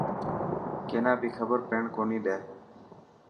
ڪينا بي خبر پيڻ ڪوني ڏي.